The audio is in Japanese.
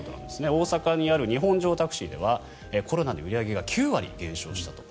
大阪にある日本城タクシーではコロナで売り上げが９割減少したと。